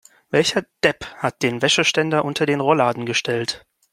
Welcher Depp hat den Wäscheständer unter den Rollladen gestellt?